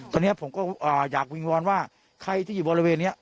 ตอนนี้ผมก็อยากวิงวอนว่าใครที่อยู่บริเวณนี้